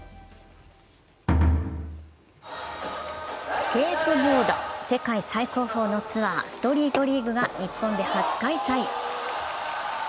スケートボード世界最高峰のツアー・ストリートリーグが日本で初開催。